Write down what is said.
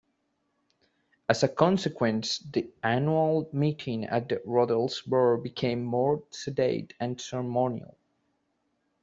As a consequence, the annual meeting at the Rudelsburg became more sedate and ceremonial.